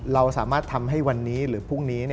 เราสามารถทำให้วันนี้หรือพรุ่งนี้